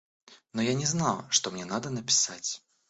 Но я не знал, что мне надо написать.